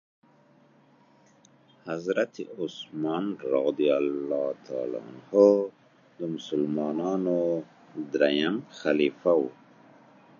حضرت عثمان رضي الله تعالی عنه د مسلمانانو دريم خليفه وو.